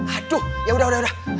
aduh yaudah yaudah